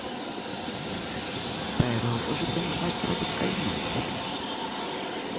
Pero ¿hoxe temos máis traballo que hai un ano?